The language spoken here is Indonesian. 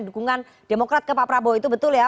dukungan demokrat ke pak prabowo itu betul ya